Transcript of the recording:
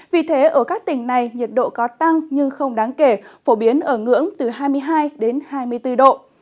vì thế ở các tỉnh này nhiệt độ có tăng nhưng không đáng kể phổ biến ở ngưỡng từ hai mươi hai đến hai mươi bốn độ